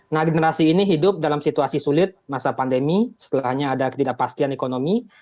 nah generasi ini hidup dalam situasi sulit masa pandemi setelahnya ada ketidakpastian ekonomi